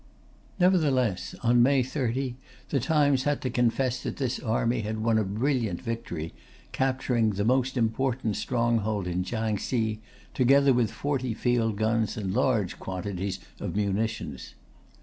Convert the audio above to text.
Nevertheless, on May 30, The Times had to confess that this army had won a brilliant victory, capturing "the most important stronghold in Kiangsi," together with 40 field guns and large quantities of munitions.